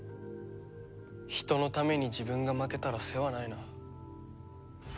人のために自分が負けたら世話ないな。